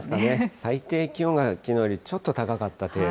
最低気温がきのうよりちょっと高かった程度。